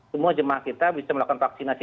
semua jemaah kita bisa melakukan vaksinasi